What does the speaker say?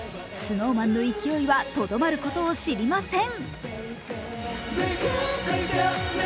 ＳｎｏｗＭａｎの勢いはとどまるところを知りません。